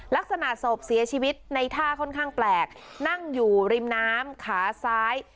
ศพเสียชีวิตในท่าค่อนข้างแปลกนั่งอยู่ริมน้ำขาซ้าย